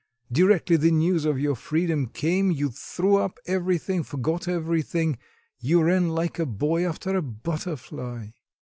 Directly the news of your freedom came, you threw up everything, forgot everything; you ran like a boy after a butterfly."....